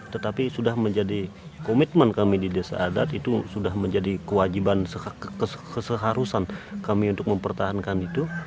tetapi sudah menjadi komitmen kami di desa adat itu sudah menjadi kewajiban keseharusan kami untuk mempertahankan itu